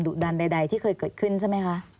ดันใดที่เคยเกิดขึ้นใช่ไหมคะ